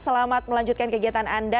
selamat melanjutkan kegiatan anda